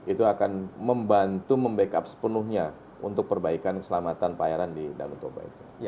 itu akan membantu membackup sepenuhnya untuk perbaikan keselamatan pelayaran di danau toba itu